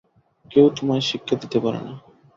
কেউ তোমায় শিক্ষা দিতে পারে না।